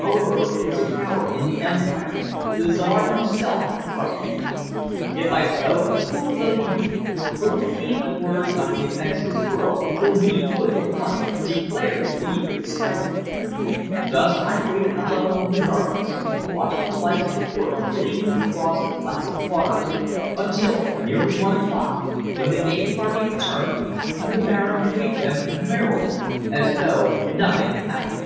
Oberg was a power in the Empire; the Czar himself trusted him. If I spoke, who would believe me; who would heed the words of a defenseless girl whom he would at once declare to be hysterical? Thus I waited alone in the darkness, watching the lights of the port gleaming across the placid waters until nearly one o'clock, when the gay party returned, and the Baron greeted them merrily as though nothing had happened.